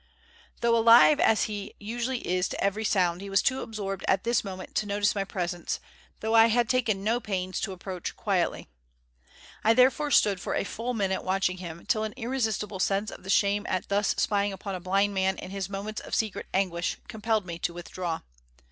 Though alive as he usually is to every sound, he was too absorbed at this moment to notice my presence, though I had taken no pains to approach quietly. I therefore stood for a full minute watching him, till an irresistible sense of the shame at thus spying upon a blind man in his moments of secret anguish compelled me to withdraw.